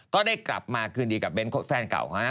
ก็ได้กลับมาคืนดีกับเน้นแฟนเก่าเขานะ